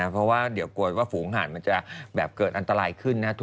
เพราะว่าเดี๋ยวกลัวว่าฝูงหาดมันจะแบบเกิดอันตรายขึ้นนะ